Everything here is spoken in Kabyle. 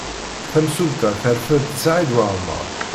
Tamsulta terfed Saɛid Waɛmaṛ.